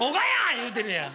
言うてるやん。